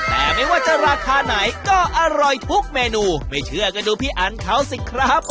แต่ไม่ว่าจะราคาไหนก็อร่อยทุกเมนูไม่เชื่อก็ดูพี่อันเขาสิครับ